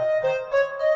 bisa dikawal di rumah ini